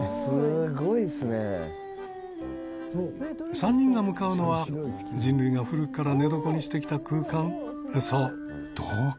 ［３人が向かうのは人類が古くから寝床にしてきた空間そう洞窟］